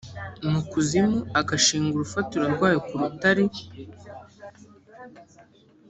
mu kuzimu agashinga urufatiro rwayo ku rutare